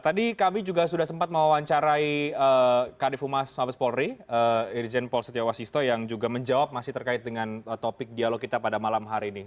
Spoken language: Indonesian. tadi kami juga sudah sempat mewawancarai kadifu mas mabes polri irjen paul setiawasisto yang juga menjawab masih terkait dengan topik dialog kita pada malam hari ini